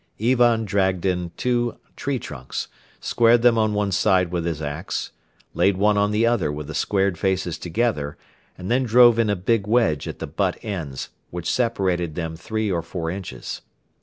Ivan dragged in two tree trunks, squared them on one side with his ax, laid one on the other with the squared faces together and then drove in a big wedge at the butt ends which separated them three or four inches.